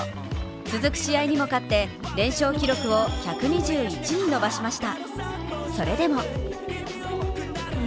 続く試合にも勝って連勝記録を１２１に伸ばしました。